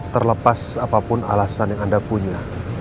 terlepas apapun alasan yang anda punya